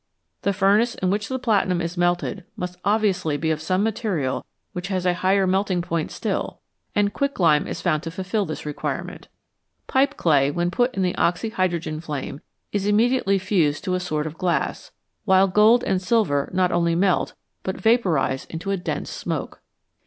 The furnace in which the platinum is melted must obviously be of some material which has a higher melt ing point still, and quicklime is found to fulfil this requirement. Pipe clay, when put in the oxyhydrogen flame, is immediately fused to a sort of glass, while gold and silver not only melt, but vaporise into a dense smoke.